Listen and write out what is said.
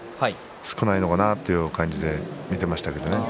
少ないのかなという感じで見ていましたね。